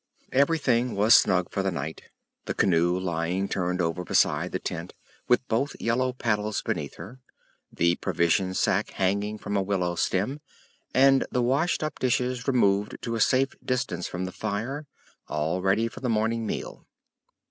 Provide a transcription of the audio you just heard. Everything was snug for the night; the canoe lying turned over beside the tent, with both yellow paddles beneath her; the provision sack hanging from a willow stem, and the washed up dishes removed to a safe distance from the fire, all ready for the morning meal.